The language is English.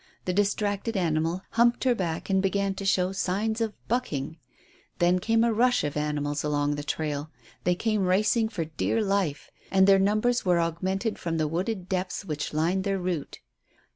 The distracted animal humped her back and began to show signs of "bucking." Then came a rush of animals along the trail; they came racing for dear life, and their numbers were augmented from the wooded depths which lined their route.